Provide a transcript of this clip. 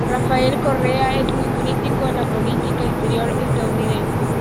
Rafael Correa es muy crítico con la política exterior estadounidense.